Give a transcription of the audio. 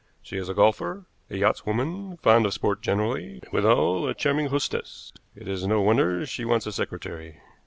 She is a golfer, a yachtswoman, fond of sport generally, and withal a charming hostess. It is no wonder she wants a secretary.